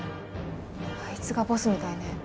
あいつがボスみたいね。